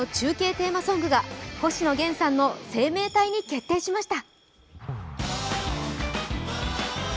テーマソングが星野源さんの「生命体」に決定しました。